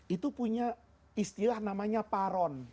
itu punya istilah namanya paron